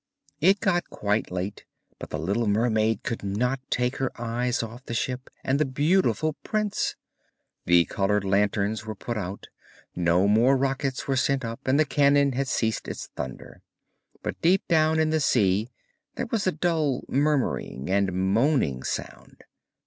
It got quite late, but the little mermaid could not take her eyes off the ship and the beautiful prince. The coloured lanterns were put out, no more rockets were sent up, and the cannon had ceased its thunder, but deep down in the sea there was a dull murmuring and moaning sound.